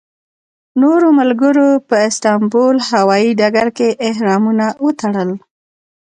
نورو ملګرو په استانبول هوایي ډګر کې احرامونه وتړل.